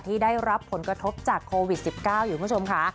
ที่ได้รับผลกระทบจากโควิด๑๙อยู่คุณผู้ชมค่ะ